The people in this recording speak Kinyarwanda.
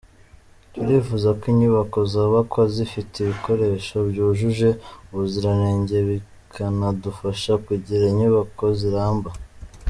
Turifuza ko inyubako zubakwa zifite ibikoresho byujuje ubuziranenge, bikanadufasha kugira inyubako ziramba.